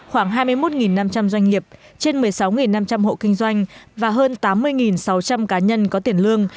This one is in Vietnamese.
khoảng hai mươi một năm trăm linh doanh nghiệp trên một mươi sáu năm trăm linh hộ kinh doanh và hơn tám mươi sáu trăm linh cá nhân có tiền lương